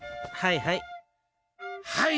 はいはい。